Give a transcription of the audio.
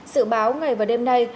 sự báo ngày và đêm nay